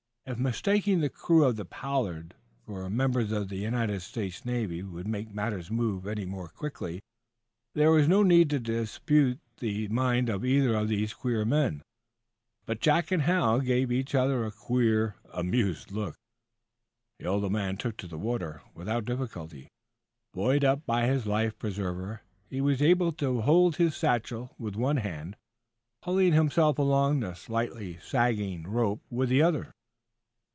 If mistaking the crew of the "Pollard" for members of the United States Navy would make matters move any more quickly, there was no need to disabuse the mind of either of these queer men. But Jack and Hal gave each other a queer, amused look. The old man took to the water, without difficulty. Buoyed up by his life preserver, he was able to hold to his satchel with one hand, pulling himself along the slightly sagging rope with the other.